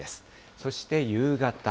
そして夕方。